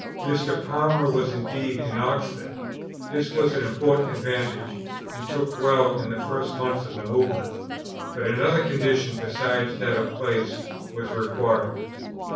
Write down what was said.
Mr. Palmer was indeed in Oxford; this was an important advantage, and told well in the first months of the Movement; but another condition, besides that of place, was required.